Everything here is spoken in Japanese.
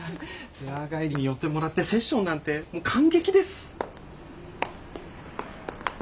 ツアー帰りに寄ってもらってセッションなんて感激です。